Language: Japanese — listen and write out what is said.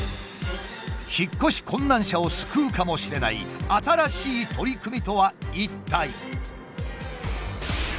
引っ越し困難者を救うかもしれない新しい取り組みとは一体。